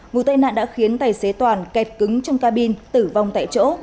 vụ tai nạn đã khiến tài xế toàn kẹt cứng trong cabin tử vong tại chỗ